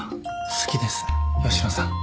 好きです吉野さん。